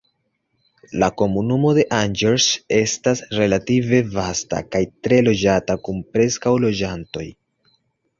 La komunumo de Angers estas relative vasta kaj tre loĝata kun preskaŭ loĝantoj.